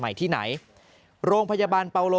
เพราะว่าเราอยู่ในเครือโรงพยาบาลกรุงเทพฯนี่ก็เป็นในระดับโลก